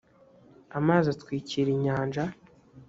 amazi atwikira inyanja